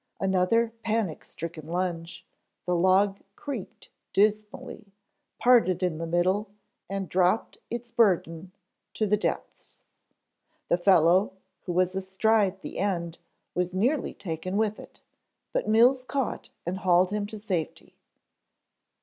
Another panic stricken lunge, the log creaked dismally, parted in the middle, and dropped its burden to the depths. The fellow who was astride the end was nearly taken with it, but Mills caught and hauled him to safety.